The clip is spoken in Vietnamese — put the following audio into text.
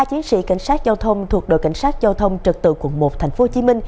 ba chiến sĩ cảnh sát giao thông thuộc đội cảnh sát giao thông trật tự quận một tp hcm